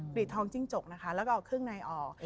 รีดทองจิ้งจกนะคะแล้วก็เอาเครื่องในออก